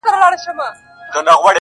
عالمه یو تر بل جارېږی!!